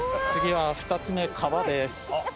次は２つ目皮です。